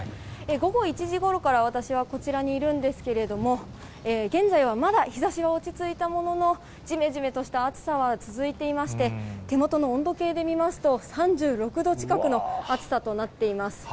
午後１時ごろから、私はこちらにいるんですけれども、現在はまだ日ざしは落ち着いたものの、じめじめとした暑さは続いていまして、手元の温度計で見ますと、３６度近くの暑さとなっています。